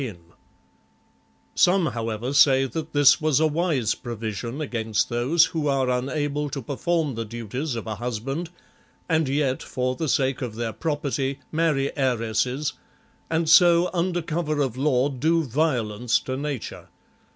2 5 Some, however, say that this was a wise provision against those who are unable to perform the duties of a husband, and yet, for the sake of their property, marry heiresses, and so under cover of law, do violence to nature.